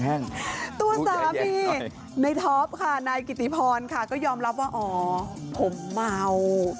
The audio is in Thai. ตัวสามีในท็อปค่ะนายกิติพรค่ะก็ยอมรับว่าอ๋อผมเมา